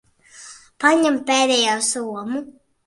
Paņem pēdējo somu.